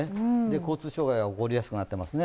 交通障害が起こりやすくなっています。